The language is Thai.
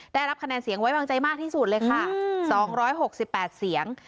ได้รับคะแนนเสียงไว้วางใจมากที่สุดเลยค่ะสองร้อยหกสิบแปดเสียง